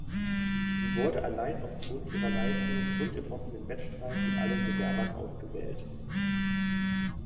Sie wurde allein aufgrund ihrer Leistungen und im offenen Wettstreit mit allen Bewerbern ausgewählt.